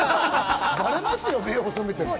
バレますよ、目を細めても。